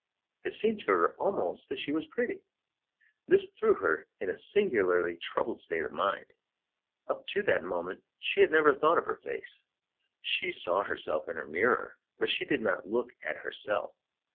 It seemed to her almost that she was pretty. This threw her in a singularly troubled state of mind. Up to that moment she had never thought of her face. She saw herself in her mirror, but she did not look at herself.